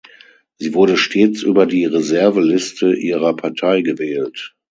Sie wurde stets über die Reserveliste ihrer Partei gewählt.